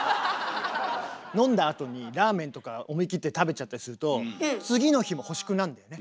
飲んだあとにラーメンとか思い切って食べちゃったりすると次の日も欲しくなるんだよね。